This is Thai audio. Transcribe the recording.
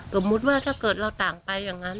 สมมุติว่าถ้าเกิดเราต่างไปอย่างนั้น